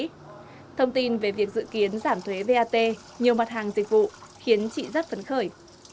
cùng với việc dự kiến giảm thuế vat nhiều mặt hàng dịch vụ khiến chị rất phấn khởi